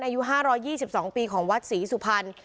อายุ๕๒๒ปีของวัดศรีสุพรรณ